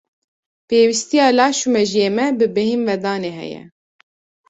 Pêwistiya laş û mejiyê me bi bêhinvedanê heye.